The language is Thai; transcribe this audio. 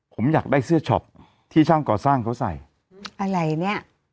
ผมอยากได้เสื้อช็อปที่ช่างก่อสร้างเขาใส่อะไรเนี้ย